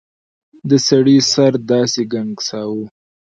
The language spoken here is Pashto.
د سړي سر داسې ګنګساوه.